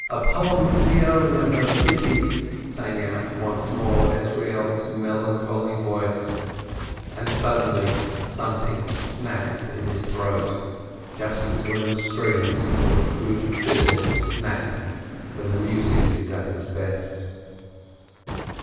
"Upon Zion and her cities !" sang out once more Ezrielk's melancholy voice, and suddenly something snapped in his throat, just as when the strings of a good fiddle snap when the music is at its best.